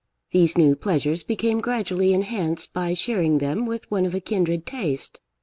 These new pleasures became gradually enhanced by sharing them with one of a kindred taste.